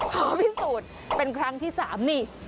ขอพิสูจน์เป็นครั้งที่๓นี่